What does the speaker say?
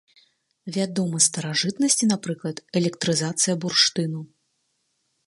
Вядома з старажытнасці, напрыклад, электрызацыя бурштыну.